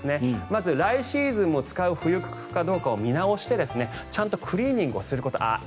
まず来シーズンも使う冬服かどうかを見直してちゃんとクリーニングをすること。